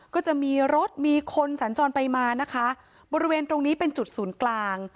ก็จะมีรถมีคนสัญจรไปมานะคะบริเวณตรงนี้เป็นจุดศูนย์กลาง